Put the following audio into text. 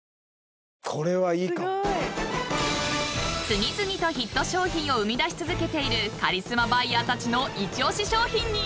［次々とヒット商品を生みだし続けているカリスマバイヤーたちの一押し商品に］